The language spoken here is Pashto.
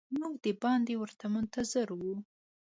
موږ د باندې ورته منتظر وو.